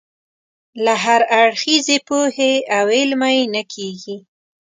له هراړخیزې پوهې او علمه یې نه کېږي.